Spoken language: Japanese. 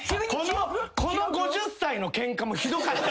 この５０歳のケンカもひどかった。